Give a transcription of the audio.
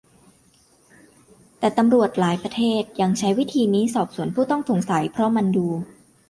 แต่ตำรวจหลายประเทศยังใช้วิธีนี้สอบสวนผู้ต้องสงสัยเพราะมันดู